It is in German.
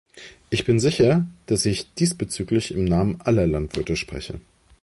Ich bin sicher, dass ich diesbezüglich im Namen aller Landwirte spreche.